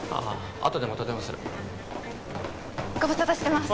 あとでまた電話するご無沙汰してますあっ